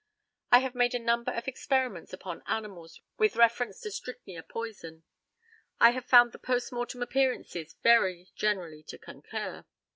I have made a number of experiments upon animals with reference to strychnia poison. I have found the post mortem appearances very generally to concur.